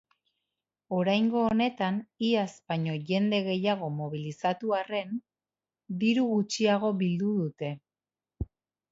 Oraingo honetan iaz baino jende gehiago mobilizatu arren, diru gutxiago bildu dute.